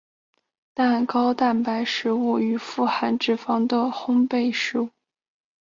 但高蛋白食物与富含脂肪的烘培食物引起与其血糖响应不成比例的的更高的胰岛素响应。